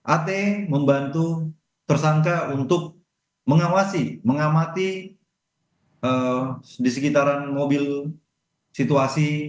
at membantu tersangka untuk mengawasi mengamati di sekitaran mobil situasi